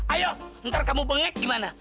ayo ntar kamu pengek gimana